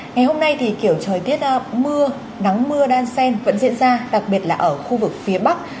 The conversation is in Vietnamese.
ngày hôm nay thì kiểu thời tiết mưa nắng mưa đan sen vẫn diễn ra đặc biệt là ở khu vực phía bắc